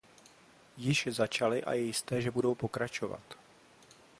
Již začaly a je jisté, že budou pokračovat.